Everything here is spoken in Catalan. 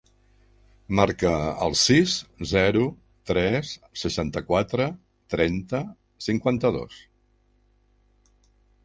Marca el sis, zero, tres, seixanta-quatre, trenta, cinquanta-dos.